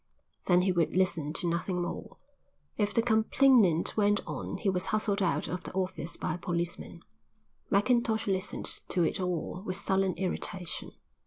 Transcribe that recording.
Then he would listen to nothing more; if the complainant went on he was hustled out of the office by a policeman. Mackintosh listened to it all with sullen irritation.